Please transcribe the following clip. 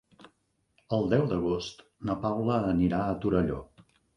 El deu d'agost na Paula anirà a Torelló.